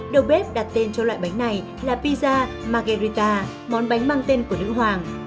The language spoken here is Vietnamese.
đầu bếp đặt tên cho loại bánh này là pizza magerita món bánh mang tên của nữ hoàng